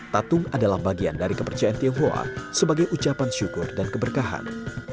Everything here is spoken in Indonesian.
tatung adalah bagian dari kepercayaan tionghoa sebagai ucapan syukur dan keberkahan